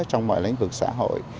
trong mọi lãnh vực xã hội